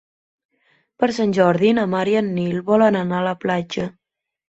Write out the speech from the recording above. Per Sant Jordi na Mar i en Nil volen anar a la platja.